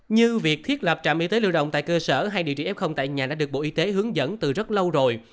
như việc thiết lập trạm y tế lưu động tại cơ sở hay địa chỉ f tại nhà đã được bộ y tế hướng dẫn từ rất lâu rồi